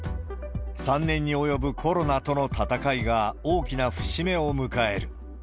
３年に及ぶコロナとの闘いが、大きな節目を迎える。